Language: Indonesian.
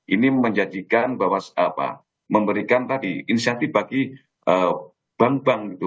ini menjadikan bahwa memberikan tadi inisiatif bagi bank bank gitu